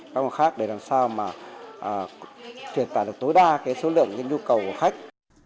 các mặt khác để làm sao mà truyền tải được tối đa cái số lượng cái nhu cầu của khách